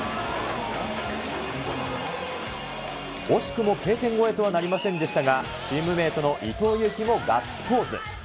惜しくもＫ点越えとはなりませんでしたが、チームメートの伊藤有希もガッツポーズ。